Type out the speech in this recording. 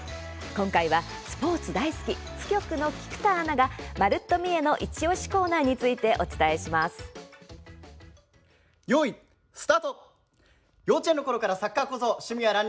今回は、スポーツ大好き津局の菊田アナが「まるっと！みえ」のいちおしコーナーについてよーい、スタート！